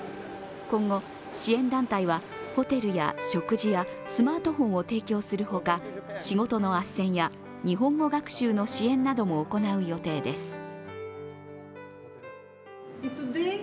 今後、支援団体はホテルや食事やスマートフォンを提供する他、仕事のあっせんや日本語学習の支援なども行う予定です。